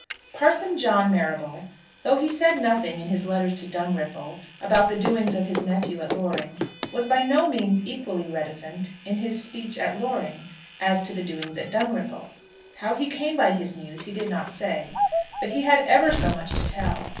Parson John Marrable, though he said nothing in his letters to Dunripple about the doings of his nephew at Loring, was by no means equally reticent in his speech at Loring as to the doings at Dunripple. How he came by his news he did not say, but he had ever so much to tell.